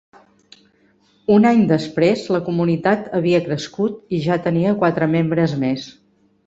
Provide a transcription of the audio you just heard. Un any després, la comunitat havia crescut i ja tenia quatre membres més.